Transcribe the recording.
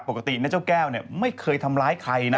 ปกติเนี่ยเจ้าแก้วเนี่ยไม่เคยทำร้ายใครนะ